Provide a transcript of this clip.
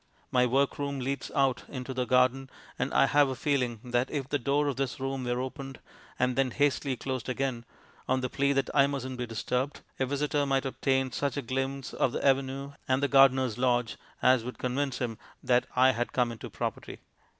My workroom leads out into the garden, and I have a feeling that, if the door of this room were opened, and then hastily closed again on the plea that I mustn't be disturbed, a visitor might obtain such a glimpse of the avenue and the gardener's lodge as would convince him that I had come into property.